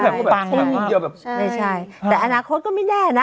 ไม่ใช่ไม่ใช่แต่อนาคตก็ไม่แน่นะ